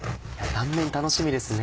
断面楽しみですね。